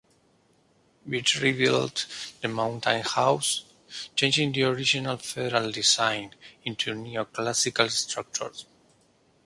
Beach rebuilt the Mountain House, changing the original Federal design into a neo-classical structure.